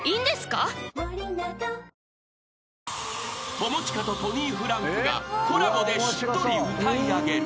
［友近とトニーフランクがコラボでしっとり歌い上げる］